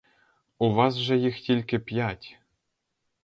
У вас же їх тільки п'ять!